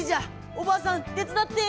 おばあさんてつだって！